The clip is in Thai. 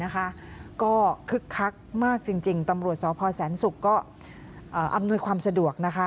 ก็คึกคักมากจริงตำรวจสพแสนศุกร์ก็อำนวยความสะดวกนะคะ